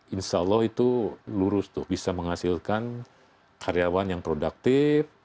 insya allah itu lurus tuh bisa menghasilkan karyawan yang produktif